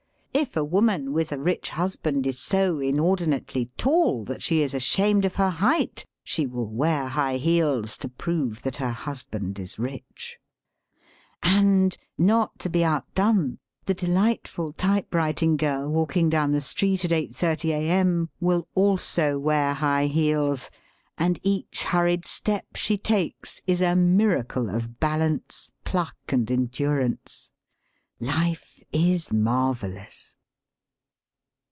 If a woman with a rich husband is so inordinately tall that she is ashamed of her height, she will wear high heels to prove that her husband is rich. And, not to be outdone, the delightful typewriting girl walking down the street at 8,30 a.m. will also wear high heels — and each hurried step she takes is a miracle of balance, pluck, and endurance. Life is mAr velloua.